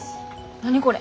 何これ。